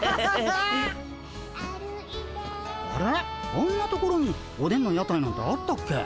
あんなところにおでんの屋台なんてあったっけ？